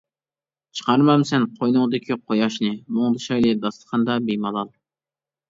چىقارمامسەن قوينۇڭدىكى قۇياشنى، مۇڭدىشايلى داستىخاندا بىمالال.